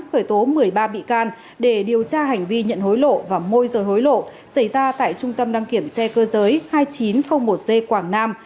khởi tố một mươi ba bị can để điều tra hành vi nhận hối lộ và môi rời hối lộ xảy ra tại trung tâm đăng kiểm xe cơ giới hai nghìn chín trăm linh một c quảng nam